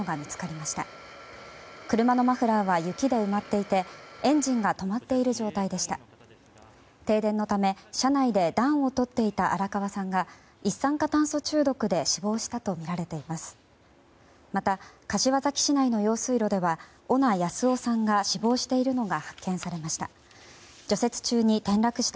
また、柏崎市内の用水路では小名尉夫さんが死亡しているのが発見されました。